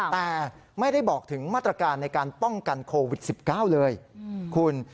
แต่ไม่ได้บอกถึงมาตรการในการป้องกันโควิด๑๙เลยคุณ